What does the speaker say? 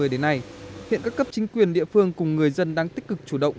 hai nghìn hai mươi đến nay hiện các cấp chính quyền địa phương cùng người dân đang tích cực chủ động